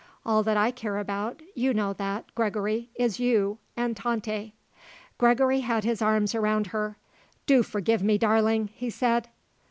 All that I care about, you know that, Gregory, is you and Tante." Gregory had his arms around her. "Do forgive me, darling," he said.